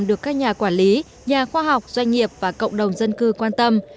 được các nhà quản lý nhà khoa học doanh nghiệp và cộng đồng dân cư quan tâm